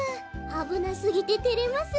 あぶなすぎててれますね。